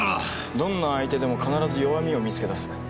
どんな相手でも必ず弱みを見つけ出す。